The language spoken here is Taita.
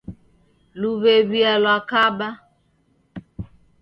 Luw'ew'ia lwakaba.